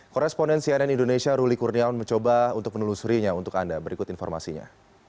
koresponden cnn indonesia ruli kurniawan mencoba untuk menelusurinya untuk anda berikut informasinya